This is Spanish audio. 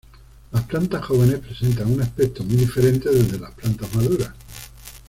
Las plantas jóvenes presentan un aspecto muy diferente del de las plantas maduras.